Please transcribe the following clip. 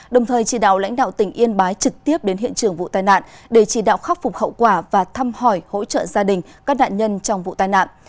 đồng thời chỉ đạo lãnh đạo tỉnh yên bái trực tiếp đến hiện trường vụ tai nạn để chỉ đạo khắc phục hậu quả và thăm hỏi hỗ trợ gia đình các nạn nhân trong vụ tai nạn